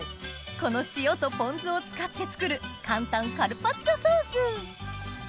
この塩とポン酢を使って作る簡単カルパッチョソース